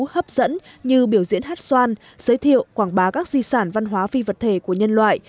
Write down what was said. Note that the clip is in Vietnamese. hấp dẫn như biểu diễn hát xoan giới thiệu quảng bá các di sản văn hóa phi vật thể của nhân loại